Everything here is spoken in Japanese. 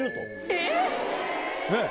えっ！